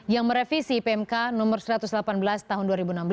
yang merevisi pmk no satu ratus delapan belas tahun dua ribu enam belas